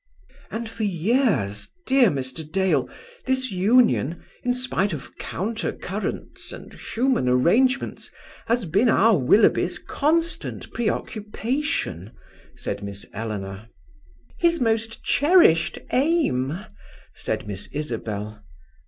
"And for years, dear Mr. Dale, this union, in spite of counter currents and human arrangements, has been our Willoughby's constant preoccupation," said Miss Eleanor. "His most cherished aim," said Miss Isabel.